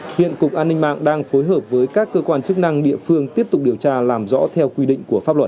hiện cục an ninh mạng đang phối hợp với các cơ quan chức năng địa phương tiếp tục điều tra làm rõ theo quy định của pháp luật